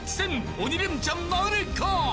鬼レンチャンなるか？